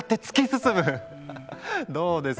どうです？